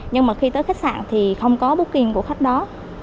nhưng mà khi tới khách sạn thì không có booking của khách đó